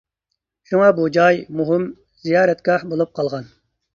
شۇڭا بۇ جاي مۇھىم زىيارەتگاھ بولۇپ قالغان.